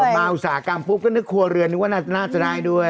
มาอุตสาหกรรมปุ๊บก็ควรเหลือนิ่งว่าน่าจะได้ด้วย